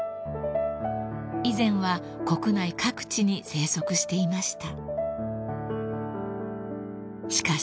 ［以前は国内各地に生息していました］